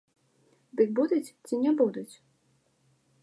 Дык будуць ці не будуць?